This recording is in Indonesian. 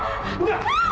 kamu ini apa sih keluar